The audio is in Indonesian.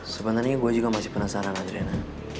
sebenernya gue juga masih penasaran adriana